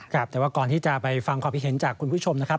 ครับแต่ว่าก่อนที่จะไปฟังความคิดเห็นจากคุณผู้ชมนะครับ